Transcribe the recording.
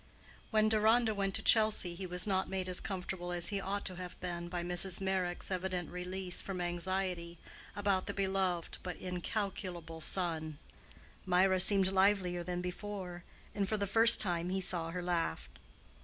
When Deronda went to Chelsea he was not made as comfortable as he ought to have been by Mrs. Meyrick's evident release from anxiety about the beloved but incalculable son. Mirah seemed livelier than before, and for the first time he saw her laugh.